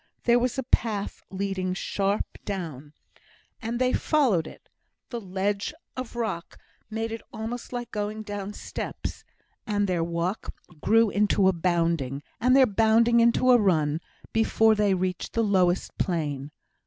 There was a path leading sharp down, and they followed it; the ledge of rock made it almost like going down steps, and their walk grew into a bounding, and their bounding into a run, before they reached the lowest plane.